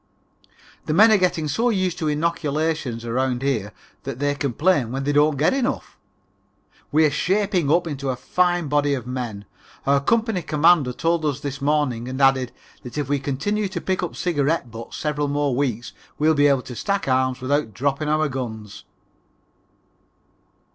The men are getting so used to inoculations around here that they complain when they don't get enough. We're shaping up into a fine body of men, our company commander told us this morning, and added, that if we continue to pick up cigarette butts several more weeks we'll be able to stack arms without dropping our guns.